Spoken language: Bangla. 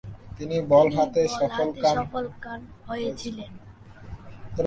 তিনি বল হাতে সফলকাম হয়েছিলেন।